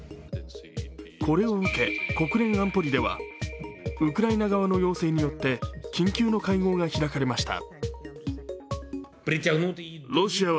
これを受け、国連安保理では、ウクライナ側の要請によって緊急の会合が開かれました。